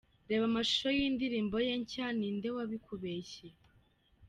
Reba amashusho y'indirimbo ye nshya 'Ni inde wabikubeshye'.